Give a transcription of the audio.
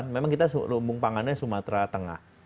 memang kita lumbung pangannya sumatera tengah